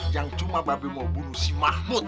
yang cuma babe mau bunuh si mahmut